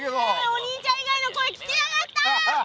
お兄ちゃんいがいの声聞きたかった！